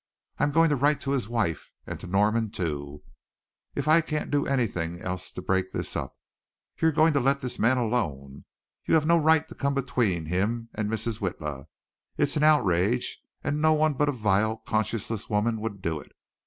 I'm going to write to his wife and to Norman too, if I can't do anything else to break this up. You're going to let this man alone. You have no right to come between him and Mrs. Witla. It's an outrage, and no one but a vile, conscienceless woman would do it.